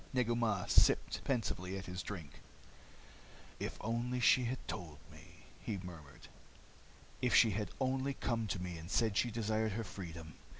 Negu Mah sipped pensively at his drink. "If she had only told me," he murmured. "If she had only come to me and said she desired her freedom.